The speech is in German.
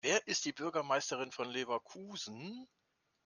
Wer ist die Bürgermeisterin von Leverkusen?